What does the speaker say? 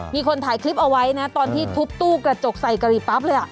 มีคนถ่ายคลิปเอาไว้นะตอนที่ทุบตู้กระจกใส่กะหรี่ปั๊บเลย